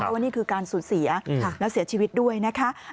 วันนี้คือการสูญเสียและเสียชีวิตด้วยนะคะ